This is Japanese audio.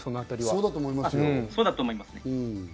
そうだと思いますね。